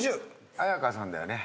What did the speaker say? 絢香さんだよね。